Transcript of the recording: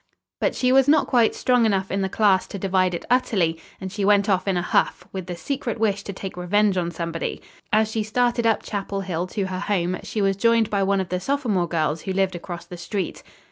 But she was not quite strong enough in the class to divide it utterly, and she went off in a huff, with the secret wish to take revenge on somebody. As she started up Chapel Hill to her home she was joined by one of the sophomore girls, who lived across the street.